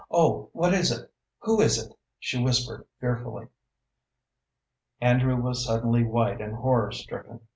"Oh, what is it who is it?" she whispered, fearfully. Andrew was suddenly white and horror stricken.